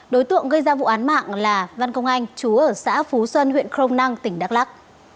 đối tượng gây ra vụ án mạng là văn công anh chú ở xã phú xuân huyện crong năng tỉnh đắk lắc